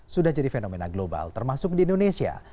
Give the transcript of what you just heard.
sudah jadi fenomena global termasuk di indonesia